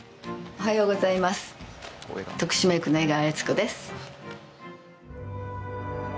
おはようございます。